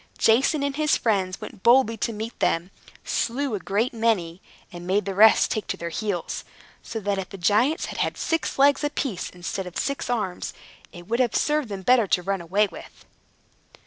Jason and his friends went boldly to meet them, slew a great many, and made the rest take to their heels, so that if the giants had had six legs apiece instead of six arms, it would have served them better to run away with.